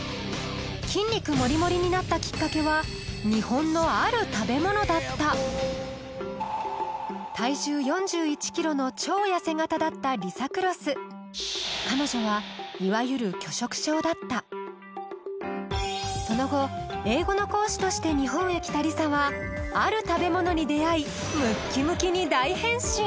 筋肉モリモリになったきっかけは体重４１ｋｇの超痩せ形だったリサ・クロス彼女はいわゆる拒食症だったその後英語の講師として日本へ来たリサはある食べ物に出会いムッキムキに大変身